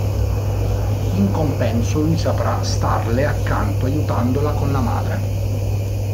In compenso lui saprà starle accanto aiutandola con la madre.